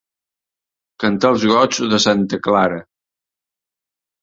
Cantar els goigs de santa Clara.